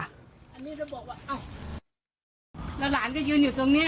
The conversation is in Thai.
อันนี้จะบอกว่าอ้าว